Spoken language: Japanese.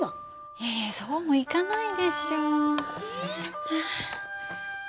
いやいやそうもいかないでしょ。え。